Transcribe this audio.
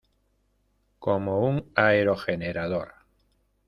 Como un aerogenerador.